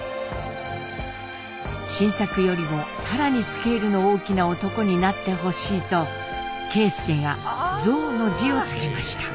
新作よりも更にスケールの大きな男になってほしいと啓介が「造」の字を付けました。